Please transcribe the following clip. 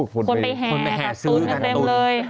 คนไปแห่ตุ๊นเต็มเลย